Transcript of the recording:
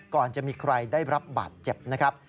ก่อนจะมีใครได้รับบาดเจ็บนะครับ